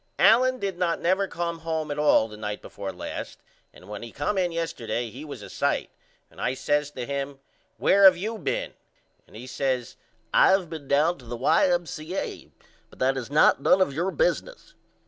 Allen did not never come home at all the night before last and when he come in yesterday he was a sight and I says to him Where have you been? And he says I have been down to the Y.M.C.A. but that is not none of your business.